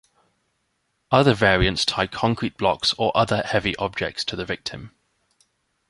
Other variants tie concrete blocks or other heavy objects to the victim.